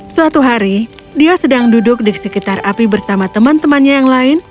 suatu hari dia sedang duduk di sekitar api bersama teman temannya yang lain